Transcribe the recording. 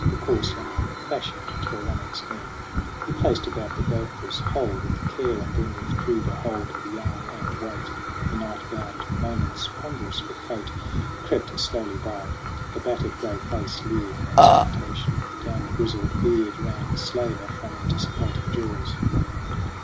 The coarse yarn, fashioned to a running snare, He placed about the gopher's hole with care, And then withdrew to hold the yarn and wait. The nightbound moments, ponderous with fate, Crept slowly by. The battered gray face leered In expectation. Down the grizzled beard Ran slaver from anticipating jaws.